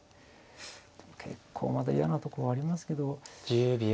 でも結構まだ嫌なとこありますけど。